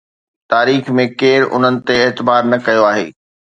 تاريخ ۾ ڪير انهن تي اعتبار نه ڪيو آهي؟